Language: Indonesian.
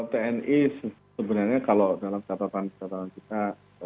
tni sebenarnya kalau dalam catatan catatan kita